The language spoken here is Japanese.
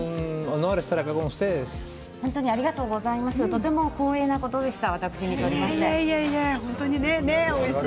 とても光栄なことでした。